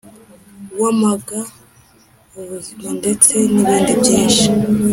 wamaga ubuzima ndetse nibindi byinshi;